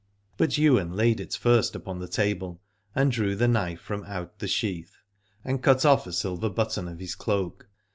But Ywain laid it first upon the table, and drew the knife from out the sheath and cut off a silver button of his cloak.